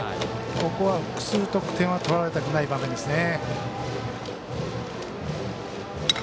ここは複数得点は取られたくない場面ですね。